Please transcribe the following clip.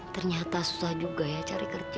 ternyata susah juga ya cari kerja